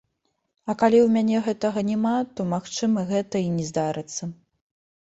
А калі ў мяне гэтага няма, то, магчыма, гэта і не здарыцца.